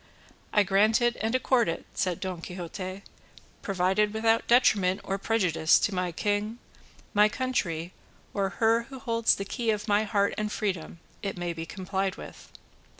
"I grant and accord it," said Don Quixote, "provided without detriment or prejudice to my king, my country, or her who holds the key of my heart and freedom, it may be complied with."